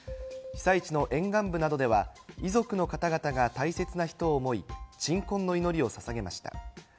被災地の沿岸部などでは、遺族の方々が大切な人を思い、鎮魂の祈りをささげました。